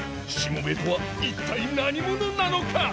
しもべえとは一体何者なのか！？